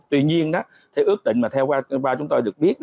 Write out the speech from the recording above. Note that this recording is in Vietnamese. tuy nhiên theo ước tịnh mà theo qua chúng tôi được biết